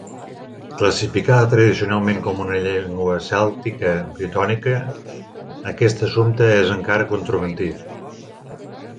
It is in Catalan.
Classificada tradicionalment com una llengua cèltica britònica, aquest assumpte és encara controvertit.